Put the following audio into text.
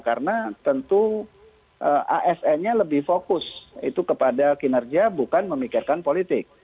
karena tentu asn nya lebih fokus itu kepada kinerja bukan memikirkan politik